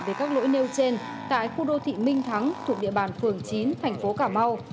về các lỗi nêu trên tại khu đô thị minh thắng thuộc địa bàn phường chín thành phố cà mau